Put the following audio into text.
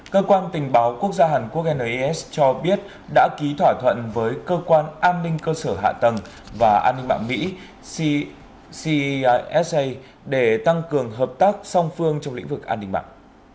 cơ quan tình báo quốc gia hàn quốc nis cho biết đã ký thỏa thuận với cơ quan an ninh cơ sở hạ tầng và an ninh mạng mỹ csa để tăng cường hợp tác song phương trong lĩnh vực an ninh mạng